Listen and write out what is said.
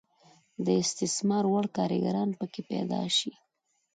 د استثمار وړ کارګران پکې پیدا شي.